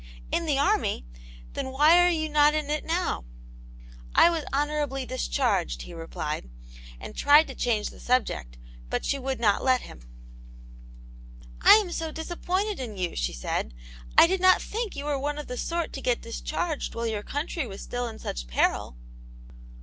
"In the army I Then why are you not in it now ?" "I was honourably discharged," he replied, and tried to change the subject, but she would not let him. AtPit Jane's Hero. 53 " I am so disappointed in you/' she said. '* I did not think you were one of the sort to get discharged while your country was still in such peril